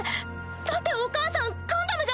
だってお母さんガンダムじゃ。